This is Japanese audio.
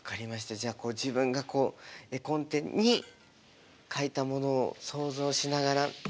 じゃあ自分がこう絵コンテに描いたものを想像しながら。